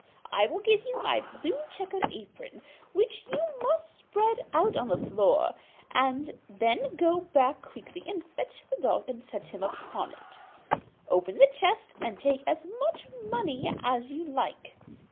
I will give you my blue check apron, which you must spread out on the floor, and then go back quickly and fetch the dog and set him upon it; open the chest and take as much money as you like.